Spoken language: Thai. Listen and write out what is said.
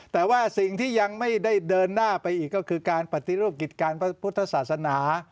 แต่ว่าสิ่งที่ยังไม่ได้เดินหน้าไปอีกก็คือการปฏิรูปกิจการพระพุทธศาสนา